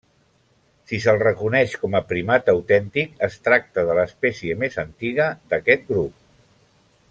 Si se'l reconeix com a primat autèntic, es tracta de l'espècie més antiga d'aquest grup.